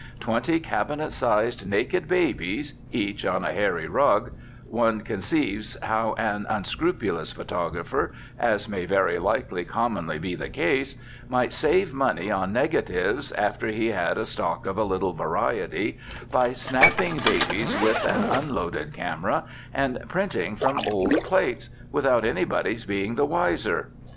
Twenty cabinet sized naked babies, each on a hairy rug: one conceives how an unscrupulous photographer (as may very likely commonly be the case) might save money on negatives, after he had a stock of a little variety, by snapping babies with an unloaded camera and printing from old plates, without anybody's being the wiser.